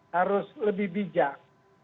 harus lebih bijak